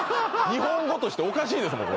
日本語としておかしいですもん